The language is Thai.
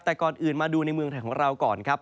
แต่ก่อนอื่นมาดูในเมืองไทยของเราก่อนครับ